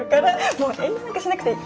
もう遠慮なんかしなくていい。